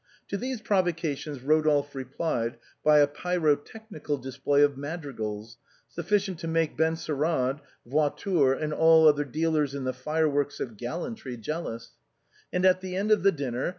To these provocations Rodolphe replied by a pyro technical display of madrigals, sufficient to make Benserade, Voiture, and all other dealers in the fireworks of gallantry jealous ; and at the end of the dinner.